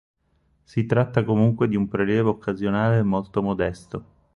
Si tratta comunque di un prelievo occasionale e molto modesto.